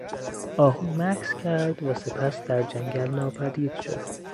آهو مکث کرد و سپس در جنگل ناپدید شد.